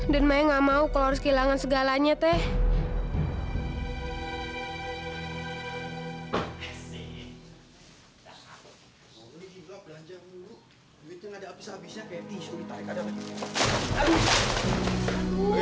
dan mengamau kalau harus kehilangan segalanya teh hai hai hai hai hai hai hai hai hai hai hai